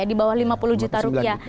di bawah lima puluh juta rupiah